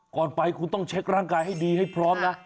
ก่อนไปคุณต้องเช็คร่างกายให้ดีให้พร้อมนะ